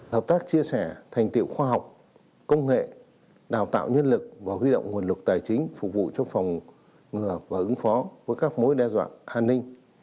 hợp tác chia sẻ thành tiệu khoa học công nghệ đào tạo nhân lực và huy động nguồn lực tài chính phục vụ cho phòng ngừa và ứng phó với các mối đe dọa an ninh